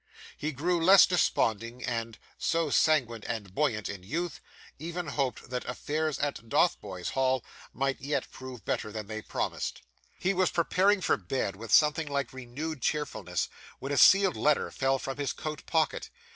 He grew less desponding, and so sanguine and buoyant is youth even hoped that affairs at Dotheboys Hall might yet prove better than they promised. He was preparing for bed, with something like renewed cheerfulness, when a sealed letter fell from his coat pocket.